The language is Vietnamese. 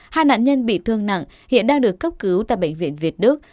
hai nạn nhân bị thương nặng hiện đang được cấp cứu tại bệnh viện việt đức